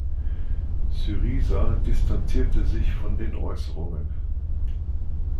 Syriza distanzierte sich von den Äußerungen.